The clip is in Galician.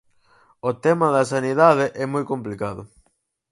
O tema da sanidade é moi complicado.